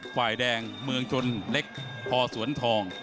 ฝ่ายแดงเมืองชนเล็กพอสวนทอง